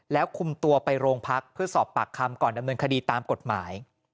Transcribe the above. แล้วคุมตัวไปโรงพักเพื่อสอบปากคำก่อนดำเนินคดีตามกฎหมาย